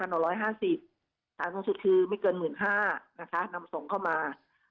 ในฐานส่วนส่วนส่วนส่วนคือไม่เกิน๑๕๐๐๐บาทนำส่งเข้ามา